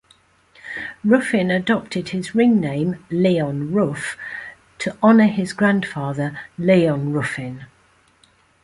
Ruffin adopted his ring name "Leon Ruff" to honor his grandfather Leon Ruffin.